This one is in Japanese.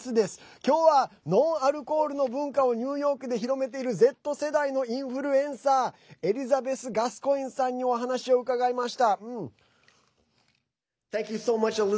今日はノンアルコールの文化をニューヨークで広めているＺ世代のインフルエンサーエリザベス・ガスコインさんにお話を伺いました。